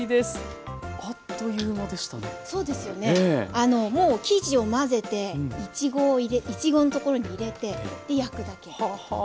あのもう生地を混ぜていちごのところに入れてで焼くだけ。